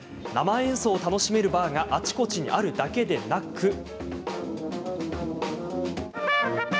生演奏を楽しめるバーがあちこちにあるだけでなく。